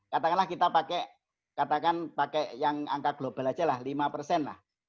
katakanlah kita pakai katakan pakai yang angka global aja lah lima persen lah